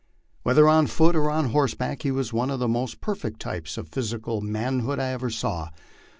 Whether on foot or on horseback, he was one of the most perfect types of physical man hood I ever saw.